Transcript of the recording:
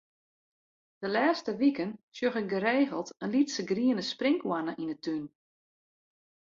De lêste wiken sjoch ik geregeld in lytse griene sprinkhoanne yn 'e tún.